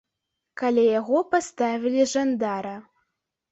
Каля яго паставілі жандара.